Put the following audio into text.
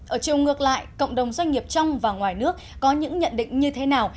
ở chiều ngược lại cộng đồng doanh nghiệp trong và ngoài nước có những nhận định như thế nào